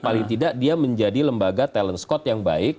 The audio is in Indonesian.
paling tidak dia menjadi lembaga talent scott yang baik